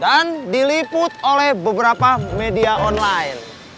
dan diliput oleh beberapa media online